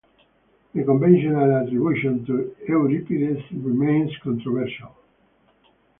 The conventional attribution to Euripides remains controversial.